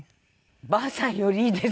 「ばあさん」よりいいですね